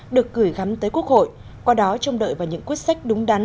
được gửi gắm tới quốc hội qua đó trông đợi vào những quyết sách đúng đắn